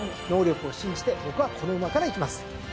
能力を信じて僕はこの馬からいきます。